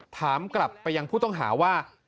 ถามกลับไปยังผู้ต้องหาว่า